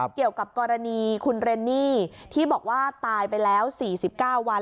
เกี่ยวกับกรณีคุณเรนนี่ที่บอกว่าตายไปแล้ว๔๙วัน